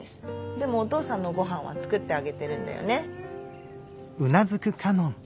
でもお父さんのごはんは作ってあげてるんだよね？